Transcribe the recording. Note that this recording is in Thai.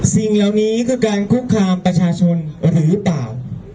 สิ่งเหล่านี้คือการคุกคามประชาชนหรือเปล่า